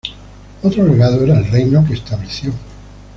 Otro legado era el reino que estableció.